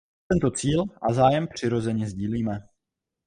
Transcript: Tento cíl a zájem přirozeně sdílíme.